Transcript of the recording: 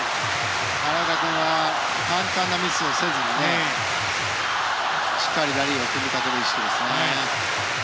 奈良岡君は簡単なミスをせずにしっかりラリーを組み立てる意識ですね。